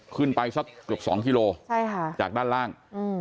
ขึ้นไปสักเกือบสองกิโลจากด้านล่าง